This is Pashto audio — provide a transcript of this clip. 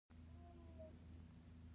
دا فکري ازموینه یوه مهمه خبره ښيي.